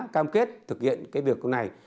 cam kết thực hiện việc này